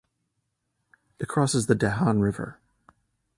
It crosses the Dahan River.